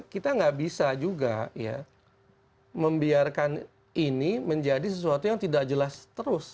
kita nggak bisa juga ya membiarkan ini menjadi sesuatu yang tidak jelas terus